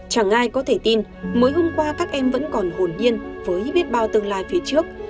chẳng ai có thể tin mối hôm qua các em vẫn còn hồn nhiên với biết bao tương lai phía trước